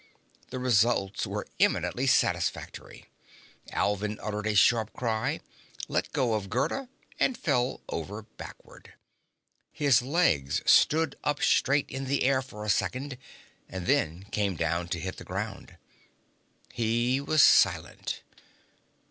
The results were eminently satisfactory. Alvin uttered a sharp cry, let go of Gerda and fell over backward. His legs stood up straight in the air for a second, and then came down to hit the ground. He was silent.